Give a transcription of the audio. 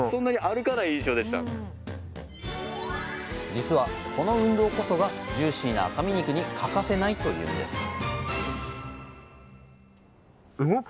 実はこの運動こそがジューシーな赤身肉に欠かせないというんですはい。